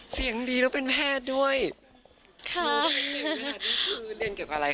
เสียงดีแล้วเป็นแพทย์ด้วย